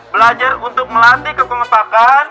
belajar untuk melatih kekumpulkan